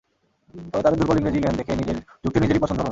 তবে তাদের দুর্বল ইংরেজি জ্ঞান দেখে নিজের যুক্তি নিজেরই পছন্দ হলো না।